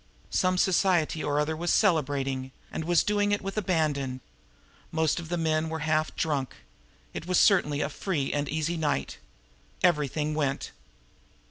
Some society or other was celebrating and was doing it with abandon. Most of the men were half drunk. It was certainly a free and easy night! Everything went!